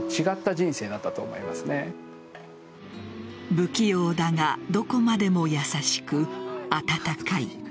不器用だが、どこまでも優しく温かい。